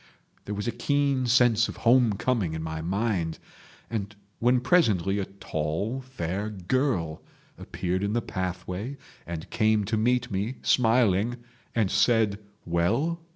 There was a keen sense of home coming in my mind, and when presently a tall, fair girl appeared in the pathway and came to meet me, smiling, and said Well?